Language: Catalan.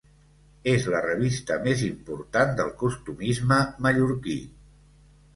És la revista més important del costumisme mallorquí.